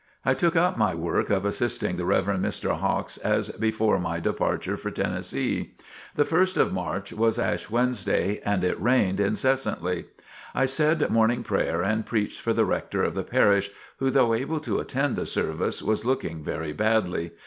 I took up my work of assisting the Rev. Mr. Hawks as before my departure for Tennessee. The 1st of March was Ash Wednesday and it rained incessantly. I said Morning Prayer and preached for the rector of the parish, who though able to attend the service, was looking very badly.